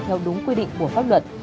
theo đúng quy định của pháp luật